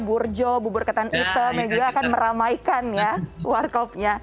burjo bubur ketan hitam yang juga akan meramaikan ya warkopnya